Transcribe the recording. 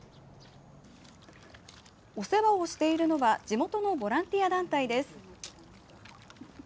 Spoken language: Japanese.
お世話をしているのは地元のボランティア団体です。